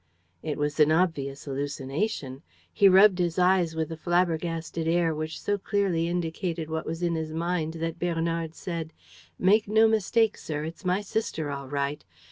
It was an obvious hallucination. He rubbed his eyes with a flabbergasted air which so clearly indicated what was in his mind that Bernard said: "Make no mistake, sir. It's my sister all right.